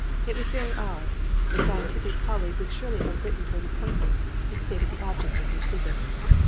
It was very odd. A scientific colleague would surely have written for an appointment and stated the object of his visit.